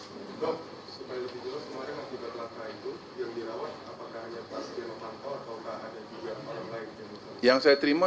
dok supaya lebih jelas kemarin yang juga telah terakhir itu